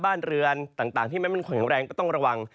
บ้านเรือนต่างที่มันแข็งแรงก็ต้องระวัง